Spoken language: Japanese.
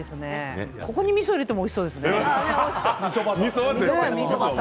ここに、みそを入れてもおいしそうですね。